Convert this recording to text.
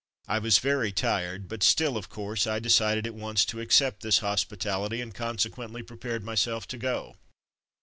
I was very tired, but still, of course I decided at once to accept this hospitality, and con sequently prepared myself to go.